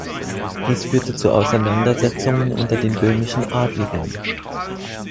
Dies führte zu Auseinandersetzungen unter den böhmischen Adeligen.